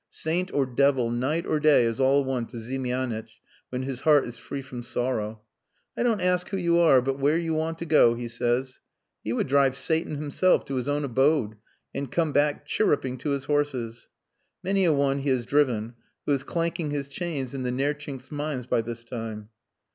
Saint or devil, night or day is all one to Ziemianitch when his heart is free from sorrow. 'I don't ask who you are, but where you want to go,' he says. He would drive Satan himself to his own abode and come back chirruping to his horses. Many a one he has driven who is clanking his chains in the Nertchinsk mines by this time."